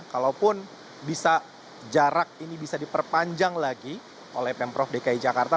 kalaupun bisa jarak ini bisa diperpanjang lagi oleh pemprov dki jakarta